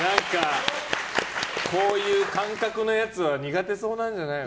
こういう感覚のやつは苦手そうなんじゃないの？